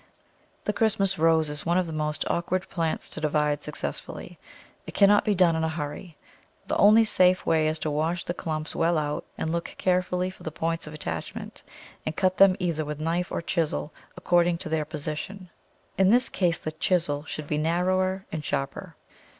The Christmas Rose is one of the most awkward plants to divide successfully. It cannot be done in a hurry. The only safe way is to wash the clumps well out and look carefully for the points of attachment, and cut them either with knife or chisel, according to their position. In this case the chisel should be narrower and sharper.